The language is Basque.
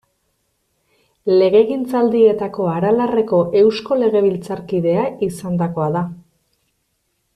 Legegintzaldietako Aralarreko eusko legebiltzarkidea izandakoa da.